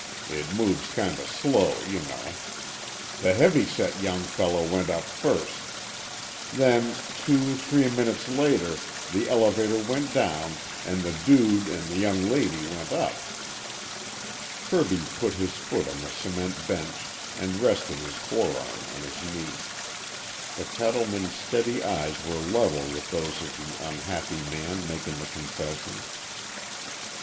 It moves kinda slow, you know. The heavy set young fellow went up first. Then two three minutes later the elevator went down an' the dude an' the young lady went up." Kirby put his foot on the cement bench and rested his forearm on his knee. The cattleman's steady eyes were level with those of the unhappy man making the confession.